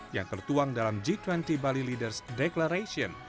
yang tertuang dalam g dua puluh bali leaders declaration